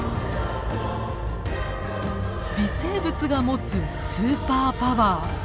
微生物が持つスーパーパワー。